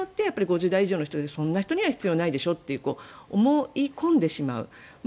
そうすると、５０代以上の人がそういう人には必要ないでしょと思い込んでしまう。